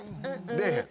出えへん。